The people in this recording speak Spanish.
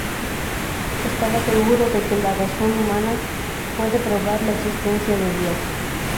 Estaba seguro de que "la razón humana puede probar la existencia de Dios".